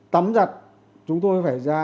tấm giặt chúng tôi phải ra